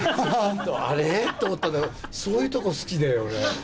あれ？と思ったんだけど、そういうとこ好きで、俺。